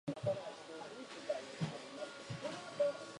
巾着袋はいくつあってもいいが、エコバッグはたくさんはいらない。